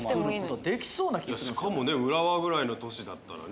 しかもね浦和ぐらいの都市だったらね。